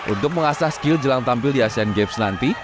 untuk mengasah skill jelang tampil di asean games nanti